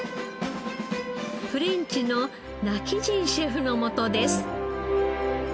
フレンチの今帰仁シェフのもとです。